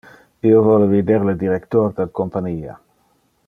Io vole vider le director del compania.